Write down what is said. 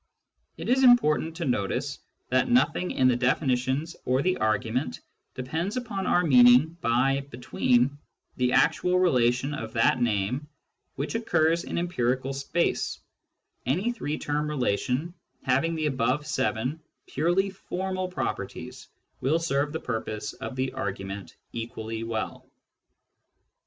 It is important to notice that nothing in the definitions or the argument depends upon our meaning by " between " the actual relation of that name which occurs in empirical space : any three term relation having the above seven purely formal properties will serve the purpose of the argument equally well.